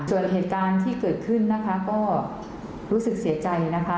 ส่วนเหตุการณ์ที่เกิดขึ้นนะคะก็รู้สึกเสียใจนะคะ